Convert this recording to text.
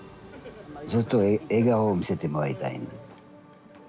ずっと笑顔を見せてもらいたいな。